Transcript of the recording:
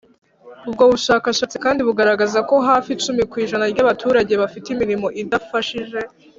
ubwo bushakashatsi kandi bugaragaza ko hafi icumi ku ijana by’abaturage bafite imirimo idafashije,